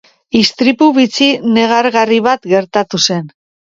Istripu bitxi negargarri bat gertatu zen.